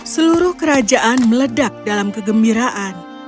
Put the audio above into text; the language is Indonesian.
seluruh kerajaan meledak dalam kegembiraan